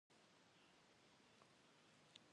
Dêle peşşeğu vumış'.